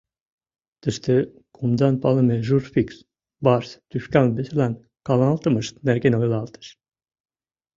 Тыште кумдан палыме «журфикс» — барс тӱшкан веселан каналтымышт — нерген ойлалтеш